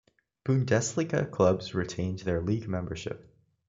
Bundesliga clubs retained their league membership.